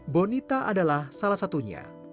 bonita adalah salah satunya